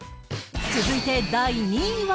続いて第２位は